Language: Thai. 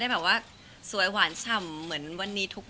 แต่สำคัญนิดซุดก็คงจะเป็นความอดทน